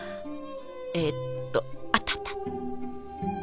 えっとあったあった。